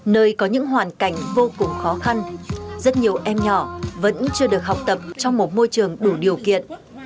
nơi có những hoàn cảnh vô cùng khó khăn rất nhiều em nhỏ vẫn chưa được học tập trong một môi trường đủ điều kiện